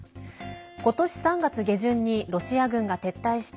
今年３月下旬にロシア軍が撤退した